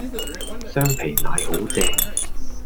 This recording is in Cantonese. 雙皮奶好正